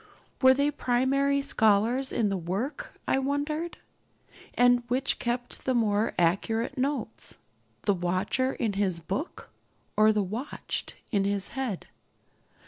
Were they primary scholars in the work, I wonder? And which kept the more accurate notes, the watcher in his book or the watched in his head?